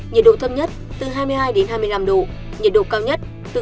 nhiệt độ thâm nhất từ hai mươi hai hai mươi năm độ nhiệt độ cao nhất từ hai mươi hai hai mươi năm độ